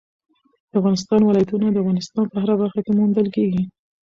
د افغانستان ولايتونه د افغانستان په هره برخه کې موندل کېږي.